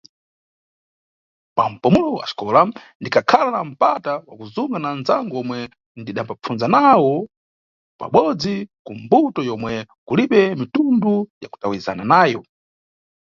Pa mpumulo wa xikola ndidakhala na mpata wa kuzunga na anzangu omwe ndidambapfunza nawo pabodzi ku mbuto yomwe kulibe mitundu ya kutawizana nayo.